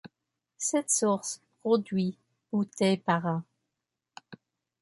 Cette source produit bouteilles par an.